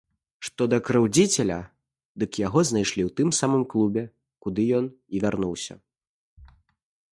Што да крыўдзіцеля, дык яго знайшлі ў тым самым клубе, куды ён і вярнуўся.